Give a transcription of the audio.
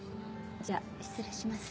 じゃあ失礼します。